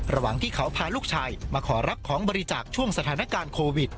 ระหว่างที่เขาพาลูกชายมาขอรับของบริจาคช่วงสถานการณ์โควิด